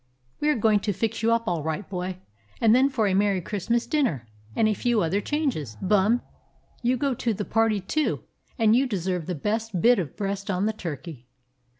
"We are going to fix you up all right, boy, and then for a merry Christmas dinner, and a few other changes. Bum, you go to the party too, and you deserve the best bit of breast on the turkey."